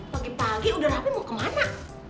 pagi pagi udah rabu mau kemana